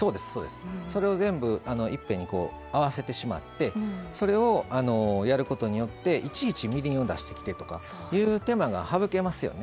それを全部いっぺんに合わせてしまってそれをやることによっていちいち、みりんを出してきてという手間が省けますよね。